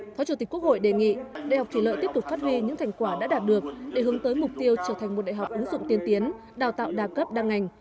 phó chủ tịch quốc hội đề nghị đại học thủy lợi tiếp tục phát huy những thành quả đã đạt được để hướng tới mục tiêu trở thành một đại học ứng dụng tiên tiến đào tạo đa cấp đa ngành